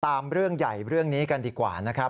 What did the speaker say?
เรื่องใหญ่เรื่องนี้กันดีกว่านะครับ